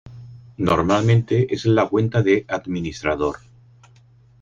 Normalmente es la cuenta de administrador.